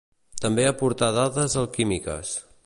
També aportà dades alquímiques.